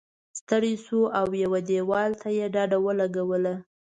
ستړی شو او یوه دیوال ته یې ډډه ولګوله.